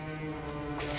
薬？